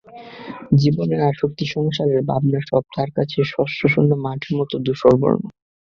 জীবনের আসক্তি, সংসারের ভাবনা সব তার কাছে শস্যশূন্য মাঠের মতো ধূসরবর্ণ।